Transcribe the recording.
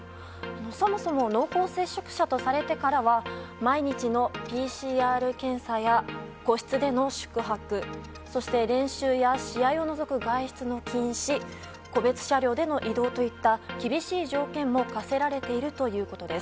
そもそも濃厚接触者とされてからは毎日のＰＣＲ検査や個室での宿泊そして、練習や試合を除く外出の禁止個別車両での移動といった厳しい条件も課せられているということです。